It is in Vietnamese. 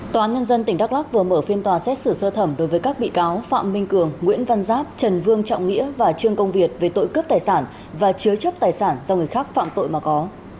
tòa án nhân dân tỉnh đắk lắc vừa mở phiên tòa xét xử sơ thẩm đối với các bị cáo phạm minh cường nguyễn văn giáp trần vương trọng nghĩa và trương công việt về tội cướp tài sản và chứa chấp tài sản do người khác phạm tội mà có